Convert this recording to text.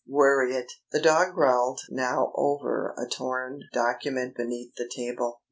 Worry it!" (The dog growled now over a torn document beneath the table.)